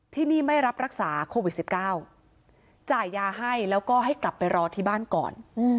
ที่นี่ไม่รับรักษาโควิด๑๙จ่ายยาให้แล้วก็ให้กลับไปรอที่บ้านก่อน